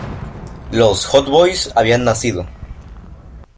Los "Hot Boyz" habían nacido.